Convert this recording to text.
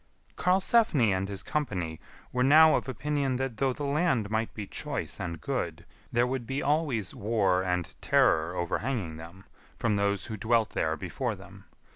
[Karlsefni and his company] were now of opinion that though the land might be choice and good, there would be always war and terror overhanging them, from those who dwelt there before them.